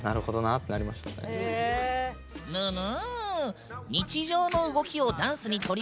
ぬぬ！